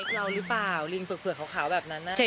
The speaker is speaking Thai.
เม็กเราหรือเปล่าลิงเผือกขาวแบบนั้นอะ